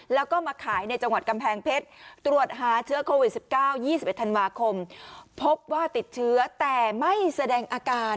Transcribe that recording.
แล้วก็มาขายในจังหวัดกำแพงเพชรตรวจหาเชื้อโควิด๑๙๒๑ธันวาคมพบว่าติดเชื้อแต่ไม่แสดงอาการ